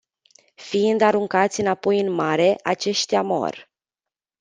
Fiind aruncați înapoi în mare, aceștia mor.